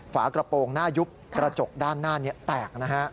ฝากระโปรงหน้ายุบกระจกด้านหน้านี้แตกนะฮะ